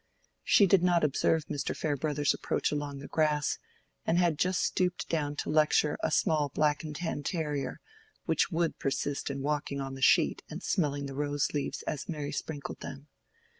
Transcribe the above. She did not observe Mr. Farebrother's approach along the grass, and had just stooped down to lecture a small black and tan terrier, which would persist in walking on the sheet and smelling at the rose leaves as Mary sprinkled them.